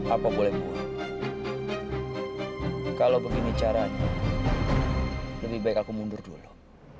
apa boleh buat kalau begini caranya lebih baik aku mundur dulu